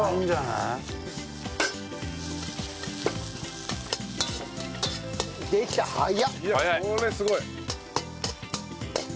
いやこれすごい！